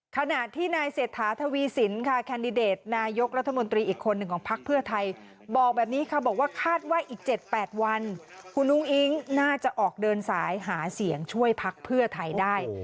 ขณะที่นายเศรษฐาทวีสินค่ะแคนดิเดตนายกรัฐมนตรีอีกคนหนึ่งของพักเพื่อไทยบอกแบบนี้ค่ะบอกว่าคาดว่าอีก๗๘วันคุณอุ้งอิ๊งน่าจะออกเดินสายหาเสียงช่วยพักเพื่อไทยได้